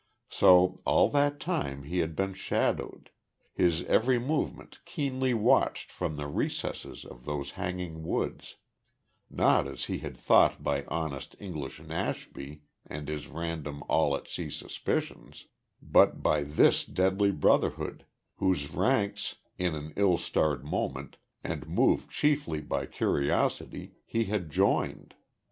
So all that time he had been shadowed, his every movement keenly watched from the recesses of those hanging woods not as he had thought by honest English Nashby and his random, all at sea suspicions, but by this deadly Brotherhood, whose ranks, in an ill starred moment, and moved chiefly by curiosity, he had joined.